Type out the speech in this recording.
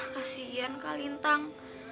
kasian kak lintang